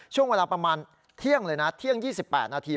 ช่วงเวลาประมาณเที่ยงเลยนะเที่ยง๒๘นาที